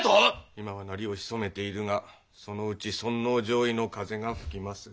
今は鳴りを潜めているがそのうち尊皇攘夷の風が吹きます。